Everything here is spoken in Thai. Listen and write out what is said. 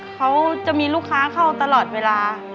เขาจะมีลูกค้าเข้าตลอดเวลา